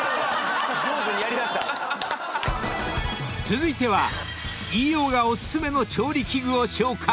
［続いては飯尾がお薦めの調理器具を紹介］